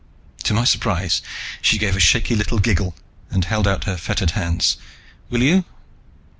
To my surprise, she gave a shaky little giggle, and held out her fettered hands. "Will you?"